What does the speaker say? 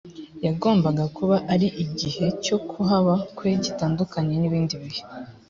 yagombaga kuba ari igihe cyo kuhaba kwe gitandukanye n ibindi bihe